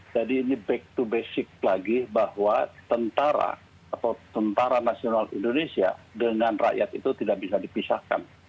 ini back to basic lagi bahwa tentara atau tentara nasional indonesia dengan rakyat itu tidak bisa dipisahkan